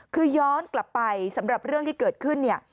คือย้อนกลับไปสำหรับเรื่องที่เกิดขึ้นเนี่ย